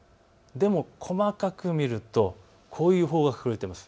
でも細かく見るとこういうのが書かれています。